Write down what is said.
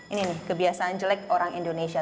ini nih kebiasaan jelek orang indonesia